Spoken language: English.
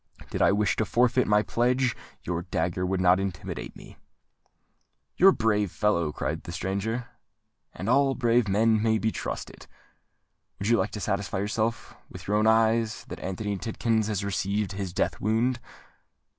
"Did I wish to forfeit my pledge, your dagger would not intimidate me." "You are a brave fellow," cried the stranger; "and all brave men may be trusted. Would you like to satisfy yourself, with your own eyes, that Anthony Tidkins has received his death wound?"